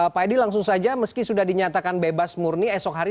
pak edi langsung saja meski sudah dinyatakan bebas murni esok hari